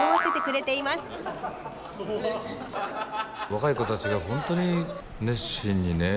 若い子たちが本当に熱心にね